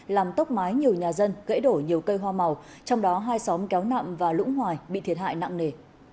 làm tốc mái nhiều nhà dân gãy đổ nhiều cây hoa màu trong đó hai xóm kéo nạm và lũng hoài bị thiệt hại nặng nề